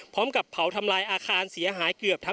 พร้อมด้วยผลตำรวจเอกนรัฐสวิตนันอธิบดีกรมราชทัน